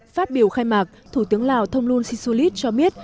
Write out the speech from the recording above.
phát biểu khai mạc thủ tướng lào thông lung sisulit cho biết